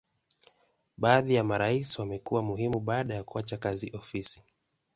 Baadhi ya marais wamekuwa muhimu baada ya kuacha kazi ofisi.